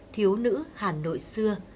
thiếu nữ hà nội xưa